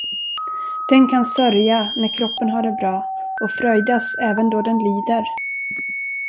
Den kan sörja, när kroppen har det bra, och fröjdas även då den lider.